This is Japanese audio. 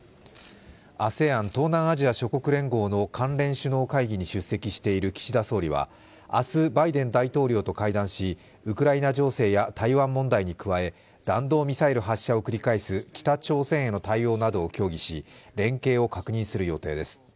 ＡＳＥＡＮ＝東南アジア諸国連合の関連首脳会議に出席している岸田総理は明日、バイデン大統領と会談しウクライナ情勢や台湾問題に加え、弾道ミサイル発射を繰り返す北朝鮮への対応などを協議し連携を確認する予定です。